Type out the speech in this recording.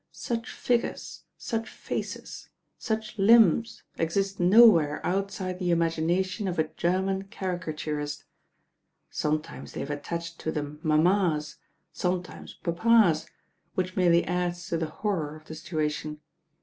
Such figures, such faces, such limbs, exist nowhere outside the imagination of a German caricaturist. Sometimes they have attached to them mammas, sometimes papas, which merely adds to the horror of the situ ation.